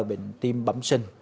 bệnh tim bẩm sinh